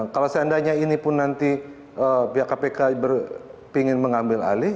kalau seandainya ini pun nanti pihak kpk ingin mengambil alih